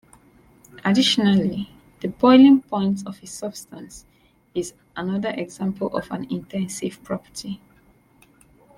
Additionally, the boiling point of a substance is another example of an intensive property.